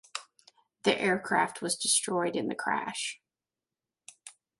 The aircraft was destroyed in the crash.